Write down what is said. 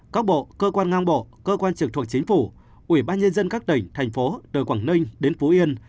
các bộ cơ quan ngang bộ cơ quan trực thuộc chính phủ ủy ban nhân dân các tỉnh thành phố từ quảng ninh đến phú yên